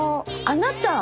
あなた。